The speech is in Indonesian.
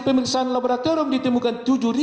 pemeriksaan laboratorium ditemukan